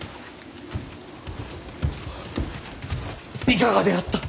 いかがであった。